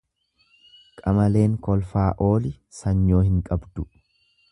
Qamaleen kolfaa ooli sanyoo hin qabdu.